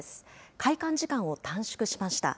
開館時間を短縮しました。